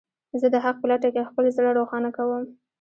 زه د حق په لټه کې خپل زړه روښانه کوم.